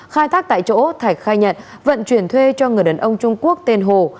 khai thác tại chỗ thạch khai nhận vận chuyển thuê cho người đàn ông trung quốc tên hồ